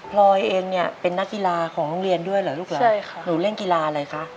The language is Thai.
พลอยเองเป็นนักกีฬาของโรงเรียนด้วยหรือลูกล่ะหนูเล่นกีฬาอะไรคะใช่ค่ะ